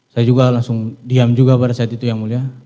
saya juga langsung diam juga pada saat itu yang mulia